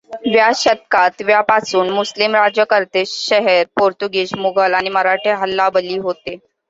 व्या शतकात व्या पासून मुस्लिम राज्यकर्ते, शहर, पोर्तुगीज, मुघल आणि मराठे हल्ला बळी होते.